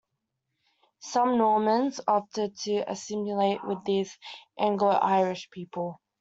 Some Normans opted to assimilate with these Anglo-Irish people.